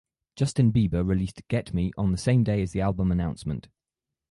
Justin Bieber released "Get Me" on the same day as the album announcement.